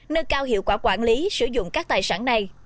nơi cao hiệu quả quản lý sử dụng các tài sản này